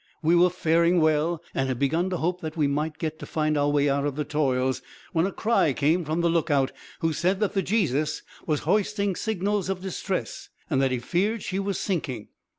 "We were faring well, and had begun to hope that we might get to find our way out of the toils, when a cry came from the lookout, who said that the Jesus was hoisting signals of distress, and that he feared she was sinking.